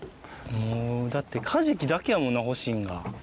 だって、カジキだけやもんな、欲しいのは。